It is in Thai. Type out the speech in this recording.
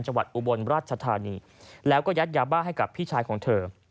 อุบลราชธานีแล้วก็ยัดยาบ้าให้กับพี่ชายของเธอ